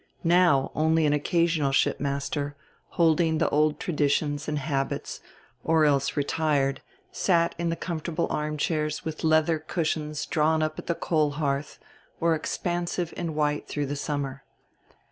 Now only an occasional shipmaster, holding the old traditions and habits or else retired, sat in the comfortable armchairs with leather cushions drawn up at the coal hearth or expansive in white through the summer.